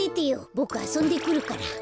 ボクあそんでくるから。